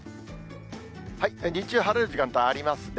日中晴れる時間帯ありますね。